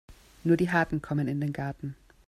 Nur die Harten kommen in den Garten.